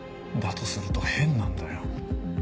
だとすると変なんだよ。